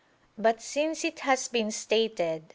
But since it has been stated (A.